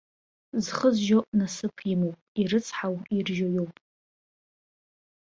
Зхы зжьо насыԥ имоуп, ирыцҳау иржьо иоуп.